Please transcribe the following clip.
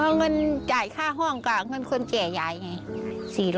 เงินจ่ายค่าห้องก็เงินคนเจอยายนะ